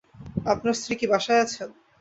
আপনার স্ত্রী কি বাসায় আছেন?